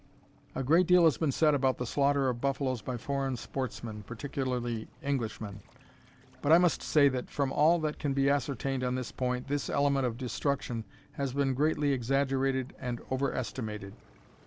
A great deal has been said about the slaughter of buffaloes by foreign sportsmen, particularly Englishmen; but I must say that, from all that can be ascertained on this point, this element of destruction has been greatly exaggerated and overestimated.